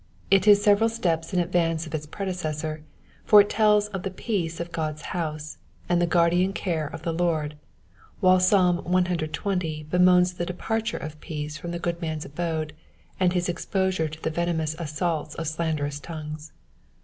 R is several steps m advance of Us predecessor, for it tells of the peace of God's house, and the giujtrdian care of the Lord, while Psaim case, bemoans the departure of peace from the good m<m*s abode, and huf exposure to the venomous assaults of slanderous tongues.